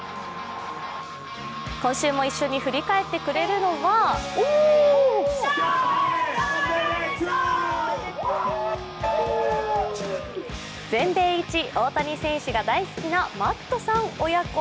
今週も一緒に振り返ってくれるのは全米イチ大谷選手が大好きなマットさん親子。